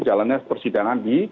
jalannya persidangan di